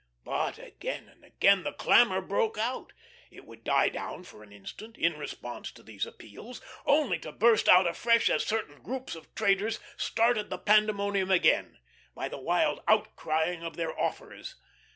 But, again and again the clamour broke out. It would die down for an instant, in response to these appeals, only to burst out afresh as certain groups of traders started the pandemonium again, by the wild outcrying of their offers.